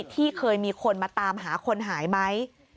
ที่เคยมีคนมาตามหาคนหายไหม